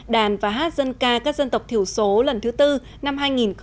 đàn và hát dân ca các dân tộc thiểu số lần thứ tư năm hai nghìn một mươi chín